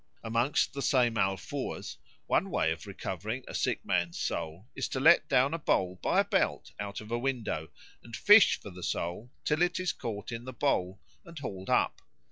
Amongst the same Alfoors one way of recovering a sick man's soul is to let down a bowl by a belt out of a window and fish for the soul till it is caught in the bowl and hauled up.